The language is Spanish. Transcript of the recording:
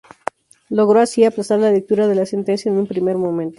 Logró así aplazar la lectura de la sentencia en un primer momento.